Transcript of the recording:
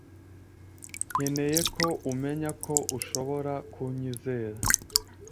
nkeneye ko umenya ko ushobora kunyizera.